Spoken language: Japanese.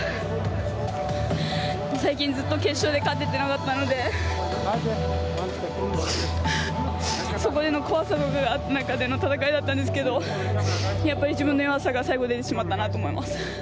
最近ずっと決勝で勝ててなかったのでそこでの怖さがあった中での戦いだったんですけど自分の弱さが最後出てしまったなと思います。